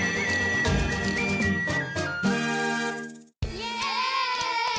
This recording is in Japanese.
イエーイ！